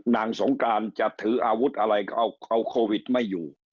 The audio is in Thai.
สงการจะถืออาวุธอะไรก็เอาโควิดไม่อยู่